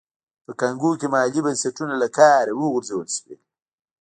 په کانګو کې محلي بنسټونه له کاره وغورځول شول.